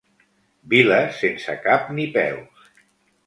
Viles sense cap ni peus.